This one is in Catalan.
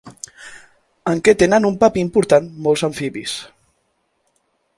En què tenen un paper important molts amfibis?